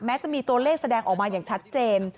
จะมีตัวเลขแสดงออกมาอย่างชัดเจน